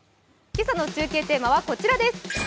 今朝の中継テーマはこちらです。